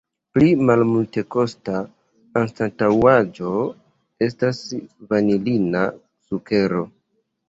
Pli malmultekosta anstataŭaĵo estas vanilina sukero.